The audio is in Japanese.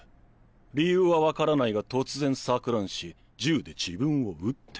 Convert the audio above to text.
理由は分からないが突然錯乱し銃で自分を撃って。